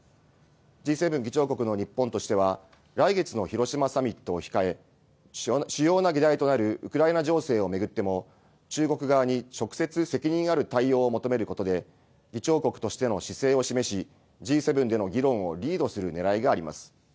Ｇ７議長国の日本としては、来月の広島サミットを控え、主要な議題となるウクライナ情勢を巡っても、中国側に直接責任ある対応を求めることで、議長国としての姿勢を示し、Ｇ７での議論をリードするねらいがあります。